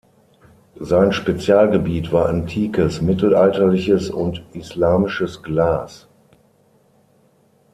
Sein Spezialgebiet war antikes, mittelalterliches und islamisches Glas.